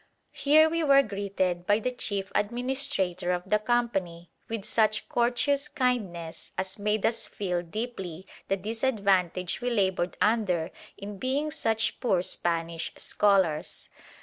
Here we were greeted by the chief administrator of the Company with such courteous kindness as made us feel deeply the disadvantage we laboured under in being such poor Spanish scholars.